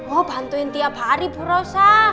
oh bantuin tiap hari purosa